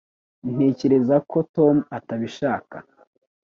Ntekereza ko Tom atabishaka